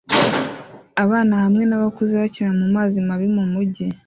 Abana hamwe nabakuze bakina mumazi mabi mumujyi